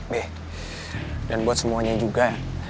deh dan buat semuanya juga